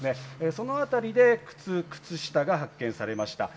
そのあたりで靴、靴下が発見されました。